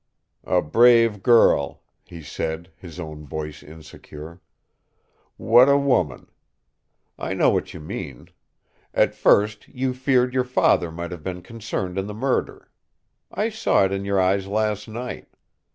"A brave girl," he said, his own voice insecure. "What a woman! I know what you mean. At first, you feared your father might have been concerned in the murder. I saw it in your eyes last night.